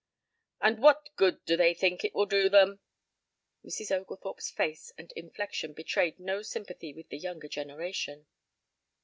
"And what good do they think that will do them?" Mrs. Oglethorpe's face and inflection betrayed no sympathy with the Younger Generation.